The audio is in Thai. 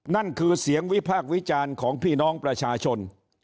นั่นคือเสียงวิพากษ์วิจารณ์ของพี่น้องประชาชน